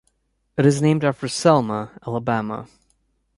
It is named after Selma, Alabama.